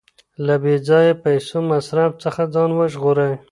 له بې ځایه پیسو مصرف څخه ځان وژغورئ.